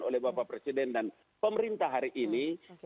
oleh bapak presiden dan pemerintah hari ini